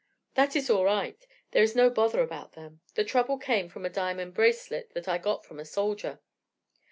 That is all right, there is no bother about them; the trouble came from a diamond bracelet that I got from a soldier.